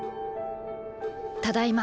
ただいま。